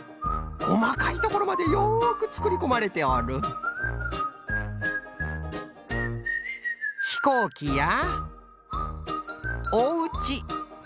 こまかいところまでよくつくりこまれておるひこうきやおうち。